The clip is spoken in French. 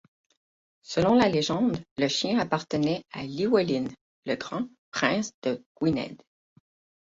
Selon la légende, le chien appartenait à Llywelyn le Grand, prince de Gwynedd.